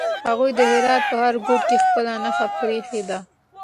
هغوی د هرات په هر ګوټ کې خپله نښه پرېښې ده.